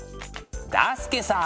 だすけさ！